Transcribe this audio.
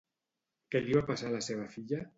Què li va passar a la seva filla?